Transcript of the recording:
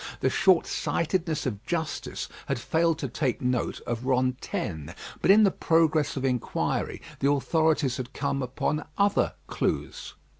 The shortsightedness of justice had failed to take note of Rantaine; but in the progress of inquiry the authorities had come upon other clues.